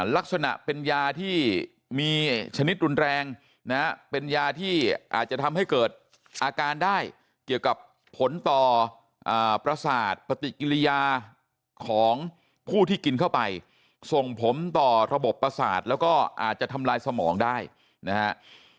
ลักษณะเป็นยาที่มีชนิดรุนแรงนะฮะเป็นยาที่อาจจะทำให้เกิดอาการได้เกี่ยวกับผลต่อประสาทปฏิกิริยาของผู้ที่กินเข้าไปส่งผลต่อระบบประสาทแล้วก็อาจจะทำลายสมองได้นะฮะ